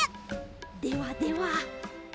ではでは。